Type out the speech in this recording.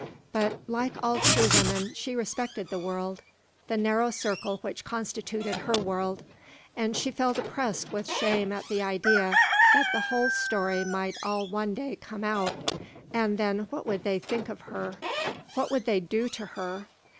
But, like all true women, she respected the world the narrow circle which constituted her world and she felt oppressed with shame at the idea that the whole story might all one day come out, and then what would they think of her? What would they do to her?